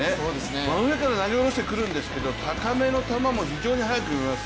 真上から投げ下ろしてくるんですけど、高めの球も非常に速く見えます。